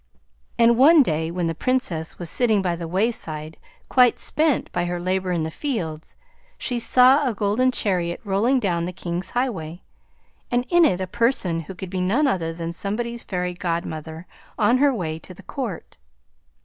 And one day when the Princess was sitting by the wayside quite spent by her labor in the fields, she saw a golden chariot rolling down the King's Highway, and in it a person who could be none other than somebody's Fairy Godmother on her way to the Court.